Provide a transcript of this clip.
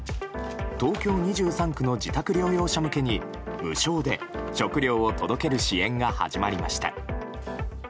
東京２３区の自宅療養者向けに無償で食料を届ける支援が始まりました。